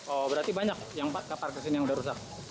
oh berarti banyak yang keparkirin yang udah rusak